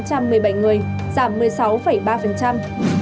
giảm hai hai trăm một mươi bảy người giảm một mươi sáu ba